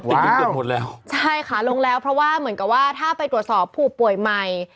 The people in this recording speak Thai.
ว้าวใช่ค่ะลงแล้วเพราะว่าเหมือนกับว่าถ้าไปตรวจสอบผู้ป่วยใหม่